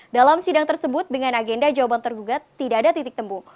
dalam sidang tersebut dengan agenda jawaban tergugat tidak ada titik temu